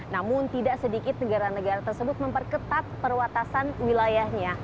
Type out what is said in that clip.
namun tidak sedikit negara negara tersebut memperketat perwatasan wilayahnya